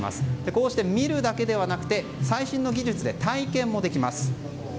こうして見るだけではなくて最新の技術で体験もできます。